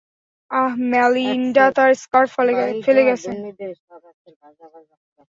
আহ, মেলিন্ডাতার স্কার্ফ ফেলে গেছে।